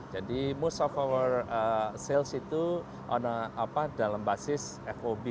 jadi most of our sales itu dalam basis fob